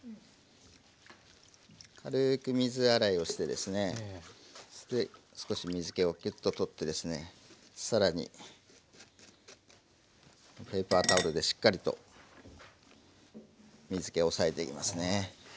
軽く水洗いをしてですね少し水けをキュッと取ってですね更にぺーパータオルでしっかりと水けを抑えていきますね。